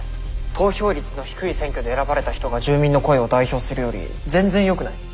投票率の低い選挙で選ばれた人が住民の声を代表するより全然よくない？